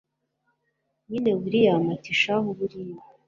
nyine william ati shahu buriya